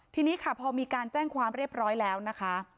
ทีนี้ค่ะพอมีการแจ้งความเรียบร้อยแล้วนะคะ